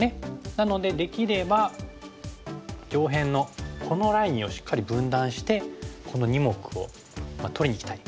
なのでできれば上辺のこのラインをしっかり分断してこの２目を取りにいきたい。